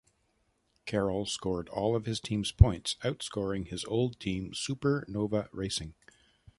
Carroll scored all of his team's points, outscoring his old team Super Nova Racing.